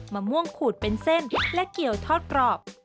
มะม่วงขูดเป็นเส้นและเกี่ยวทอดกรอบ